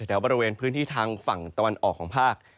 แถวบริเวณพื้นที่ทางฝั่งตะวันออกของภาค